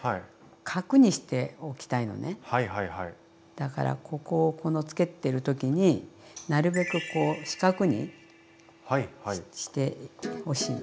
だからここをこのつけてる時になるべくこう四角にしてほしいの。